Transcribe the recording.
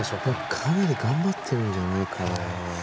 かなり頑張ってるんじゃないかな。